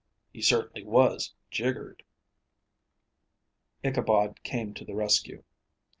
He certainly was "jiggered." Ichabod came to the rescue.